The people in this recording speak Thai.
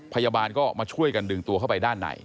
พยาบาลก็มาช่วยกันดึงตัวเข้าไปด้านใน